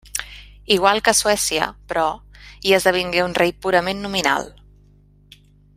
Igual que a Suècia, però, hi esdevingué un rei purament nominal.